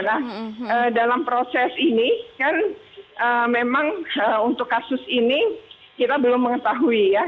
nah dalam proses ini kan memang untuk kasus ini kita belum mengetahui ya